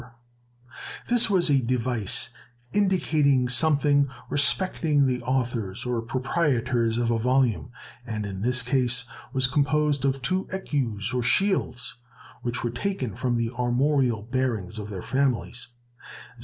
This was a device indicating something respecting the authors or proprietors of a volume, and, in this case, was composed of two ecus, or shields, which were taken from the armorial bearings of their families.